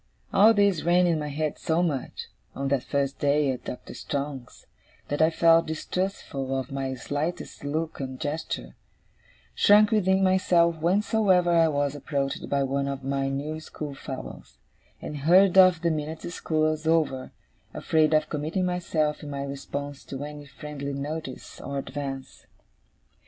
All this ran in my head so much, on that first day at Doctor Strong's, that I felt distrustful of my slightest look and gesture; shrunk within myself whensoever I was approached by one of my new schoolfellows; and hurried off the minute school was over, afraid of committing myself in my response to any friendly notice or advance.